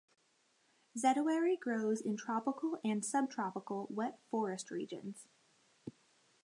Zedoary grows in tropical and subtropical wet forest regions.